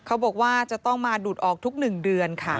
เขาบอกว่าจะต้องมาดูดออกทุก๑เดือนค่ะ